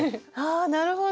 なるほど。